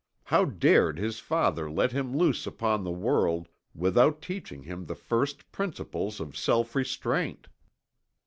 How dared his father let him loose upon the world without teaching him the first principles of self restraint?